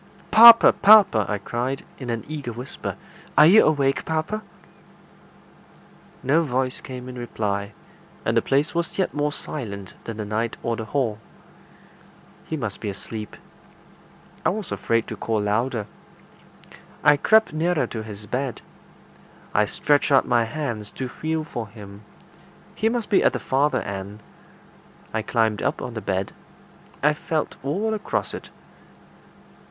"Papa! papa!" I cried, in an eager whisper. "Are you awake, papa?" No voice came in reply, and the place was yet more silent than the night or the hall. He must be asleep. I was afraid to call louder. I crept nearer to the bed. I stretched out my hands to feel for him. He must be at the farther side. I climbed up on the bed. I felt all across it.